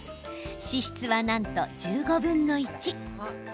脂質はなんと１５分の１。